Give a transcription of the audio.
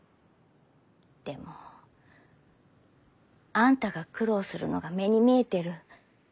でもあんたが苦労するのが目に見えてる。